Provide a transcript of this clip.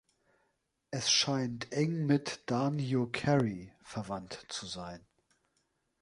Es scheint eng mit „Danio kerri“ verwandt zu sein.